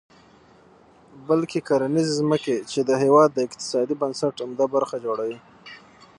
بلکې کرنیزې ځمکې، چې د هېواد د اقتصادي بنسټ عمده برخه جوړوي.